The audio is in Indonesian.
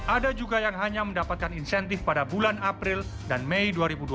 ada juga yang hanya mendapatkan insentif pada bulan april dan mei dua ribu dua puluh